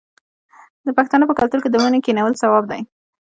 د پښتنو په کلتور کې د ونو کینول ثواب دی.